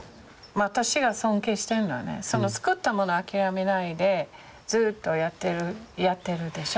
私が尊敬してるのはその作ったものを諦めないでずっとやってるでしょ？